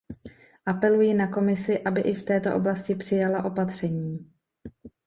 Apeluji na Komisi, aby i v této oblasti přijala opatření.